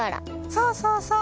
そうそうそう！